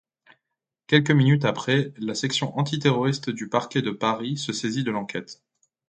Quelques minutes après, la section antiterroriste du parquet de Paris se saisit de l’enquête.